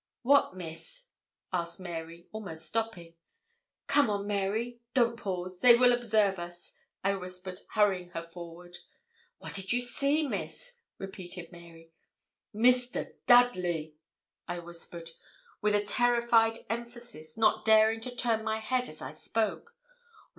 'What, Miss?' asked Mary, almost stopping. 'Come on, Mary. Don't pause. They will observe us,' I whispered, hurrying her forward. 'What did you see, Miss?' repeated Mary. 'Mr. Dudley,' I whispered, with a terrified emphasis, not daring to turn my head as I spoke.